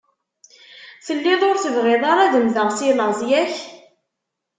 Telliḍ ur tebɣiḍ ara ad mmteɣ si laẓ, yak?